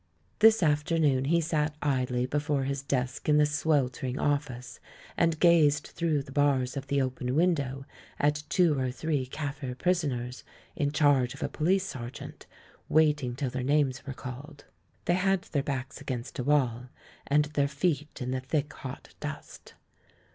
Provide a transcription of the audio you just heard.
This afternoon he sat idly before his desk in the sweltering office, and gazed through the bars of the open window at two or three Kaffir pris oners in charge of a police serjeant, waiting till their names were called. They had their backs against a wall, and their feet in the thick, hot dust.